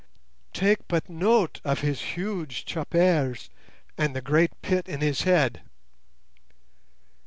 _ Take but note of his huge choppare and the great pit in his head."